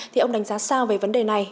thì ông đánh giá sao về vấn đề này